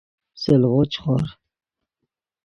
سلغو چے خور